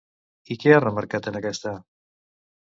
I què ha remarcat en aquesta?